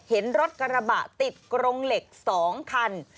เห็นรถกระบะติดกรงเหล็ก๒คัน